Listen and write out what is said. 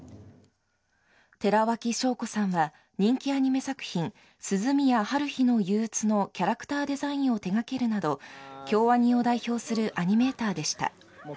寺脇晶子さんは、人気アニメ作品、涼宮ハルヒの憂鬱のキャラクターデザインを手がけるなど、京アニを代表するアニメーターでした。